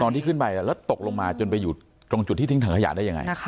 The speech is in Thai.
ที่ขึ้นไปแล้วตกลงมาจนไปอยู่ตรงจุดที่ทิ้งถังขยะได้ยังไง